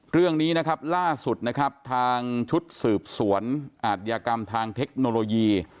เรื่องนี้นะครับล่าสุดนะครับทางชุดสืบสวนอาทยากรรมทางเทคโนโลยี